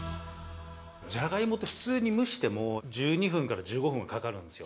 「じゃがいもって普通に蒸しても１２分から１５分はかかるんですよ